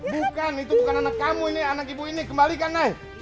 bukan itu bukan anak kamu ini anak ibu ini kembalikan naik